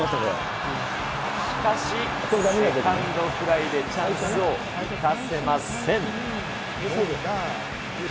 しかし、セカンドフライでチャンスを生かせません。